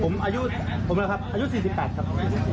ผมอะไรครับอายุ๔๘ครับ